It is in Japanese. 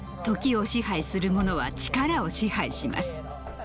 時を支配するものは力を支配します。